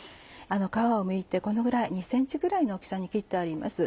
皮をむいてこのぐらい２ｃｍぐらいの大きさに切ってあります。